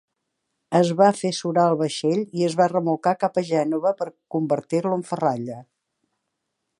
Es va fer surar el vaixell i es va remolcar cap a Gènova per convertir-lo en ferralla.